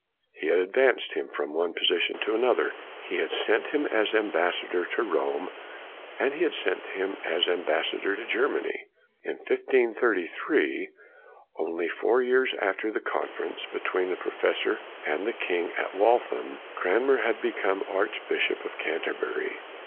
He had ad vanced him from one position to another. He had sent him as ambassador to Rome; 8o CRANMER he had sent him as ambassador to Ger many. In 1533, only four years after the conference between the professor and the king at Waltham, Cranmer had be come Archbishop of Canterbury.